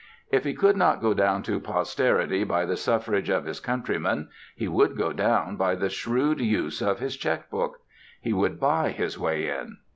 If he could not go down to posterity by the suffrage of his countrymen, he would go down by the shrewd use of his cheque book; he would buy his way in.